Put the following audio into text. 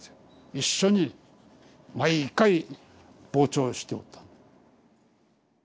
一緒に毎回傍聴しておったんだ。